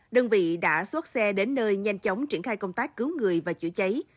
đơn vị đã xuất xe đến nơi nhanh chóng triển khai công tác cứu người và chữa cháy